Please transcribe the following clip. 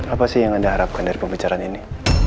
apa sih yang anda harapkan dari pembicaraan ini